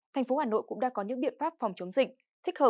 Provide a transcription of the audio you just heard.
thành phố hà nội cũng đã có những biện pháp phòng chống dịch